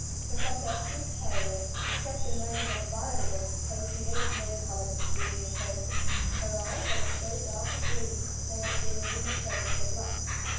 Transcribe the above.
Her complexion is pale: except in moments of violent agitation there is no color to be seen in her face. Her eyes are of so dark a blue that they are generally mistaken for black.